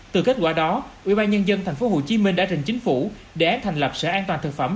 từ kết quả đó ubnd tp hcm đã rình chính phủ đề án thành lập sở an toàn thực phẩm